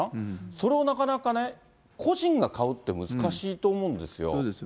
それをなかなかね、個人が買うって難しいと思うんですよ。